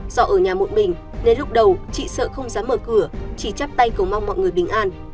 do ở nhà muộn mình nên lúc đầu chị sợ không dám mở cửa chỉ chắp tay cầu mong mọi người bình an